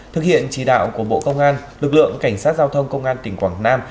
thực hiện chỉ đạo của bộ công an lực lượng cảnh sát giao thông công an tỉnh quảng nam